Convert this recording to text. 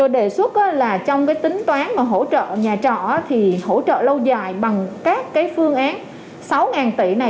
đề xuất là trong cái tính toán mà hỗ trợ nhà trọ thì hỗ trợ lâu dài bằng các phương án sáu tỷ này